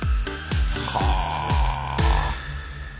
はあ。